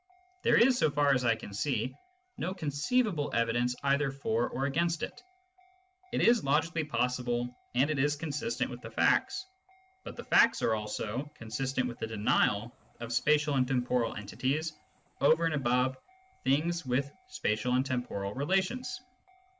There is, so far as I can see, no conceivable evidence either for or against it. It is logically possible, and it is consistent with the facts. But the facts are also consistent with the denial of spatial and temporal entities over and above things with spatial and temporal relations.